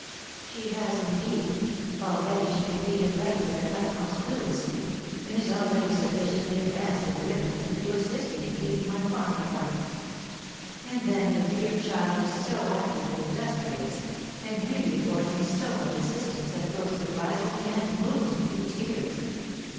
"She has, indeed; already she can read and write with the utmost fluency, and is already sufficiently advanced in arithmetic to assist me in keeping my farm accounts; and then the dear child is so active and industrious, and really affords me so much assistance as both surprises me and moves me to tears.